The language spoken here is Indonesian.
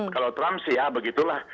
kalau trump sih ya begitulah